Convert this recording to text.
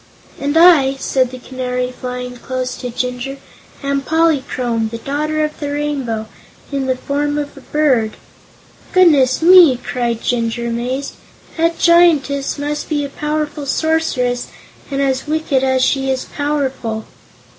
"And I," said the Canary, flying close to Jinjur, "am Polychrome, the Daughter of the Rainbow, in the form of a bird." "Goodness me!" cried Jinjur, amazed; "that Giantess must be a powerful Sorceress, and as wicked as she is powerful."